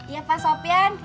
iya pak sofyan